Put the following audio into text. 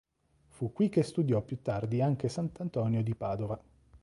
Fu qui che studiò più tardi anche sant'Antonio di Padova.